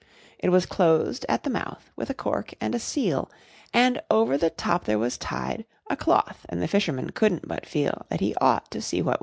It was closed at the mouth with a cork and a seal, And over the top there was tied A cloth, and the fisherman couldn't but feel That he ought to see what was inside.